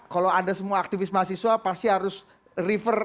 kalau anda semua aktivis mahasiswa pasti harus refer